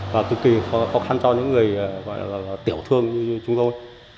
và cực kỳ khó khăn cho những người tiểu thương như chúng tôi